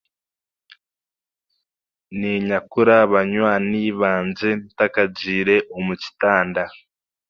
Niinyakura banywani bangye ntakagiire omu kitanda